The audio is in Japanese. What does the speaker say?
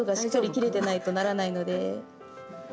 切れてないとならないので。